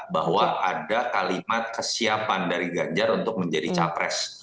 bahwa ada kalimat kesiapan dari ganjar untuk menjadi capres